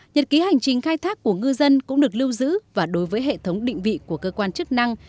nhật ký hành trình khai thác của ngư dân cũng được lưu giữ và đối với hệ thống định vị của cơ quan chức năng